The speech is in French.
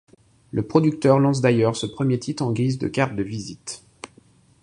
Le producteur lance d'ailleurs ce premier titre en guise de carte de visite.